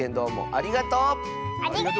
ありがとう！